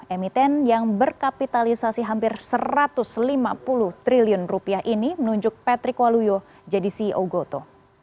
emiten yang berkapitalisasi hampir satu ratus lima puluh triliun rupiah ini menunjuk patrick waluyo jadi ceo goto